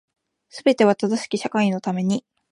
全ては正しき社会のために